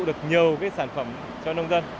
được nhiều cái sản phẩm cho nông dân